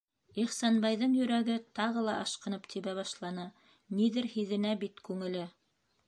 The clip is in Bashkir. Ихсанбайҙың йөрәге тағы ла ашҡынып тибә башланы: ниҙер һиҙенә бит күңеле.